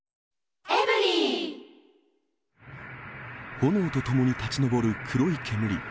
炎とともに立ち上る黒い煙。